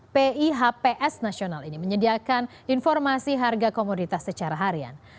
pihps nasional ini menyediakan informasi harga komoditas secara harian